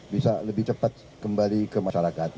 bisa lebih cepat kembali ke masyarakat